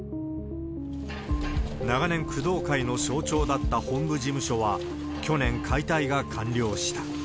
長年、工藤会の象徴だった本部事務所は、去年、解体が完了した。